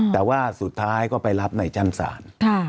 แต่ว่าสุดท้ายก็ไปรับในชั้นศาล